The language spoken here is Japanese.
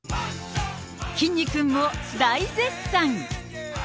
きんに君も大絶賛。